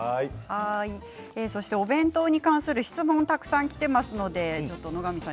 お弁当に関する質問がたくさんきています。